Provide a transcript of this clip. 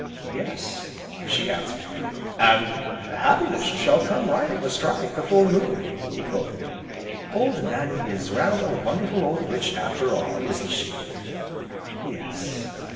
"Yes!" she answered. "And Happiness shall come riding astride the full moon!" he quoted. "Old Nannie is rather a wonderful old witch, after all, isn't she?" "Yes."